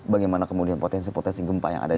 bagaimana kemudian potensi potensi gempa yang ada